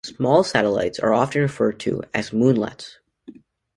Small satellites are often referred to as moonlets.